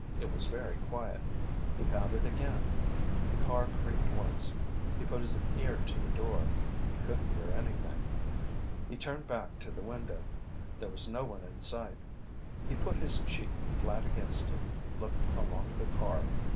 It was very quiet. He pounded again. The car creaked once. He put his ear to the door. He couldn't hear anything. He turned back to the window. There was no one in sight. He put his cheek flat against it, looked along the car.